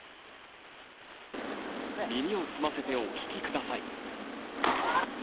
耳を澄ませてお聞きください。